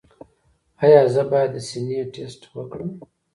ایا زه باید د سینې ټسټ وکړم؟